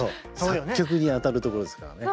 作曲に当たるところですからね。